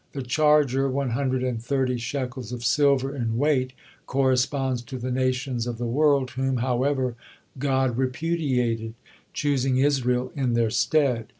The charger, one hundred and thirty shekels of silver in weight, corresponds to the nations of the world, whom, however, God repudiated, choosing Israel in their stead.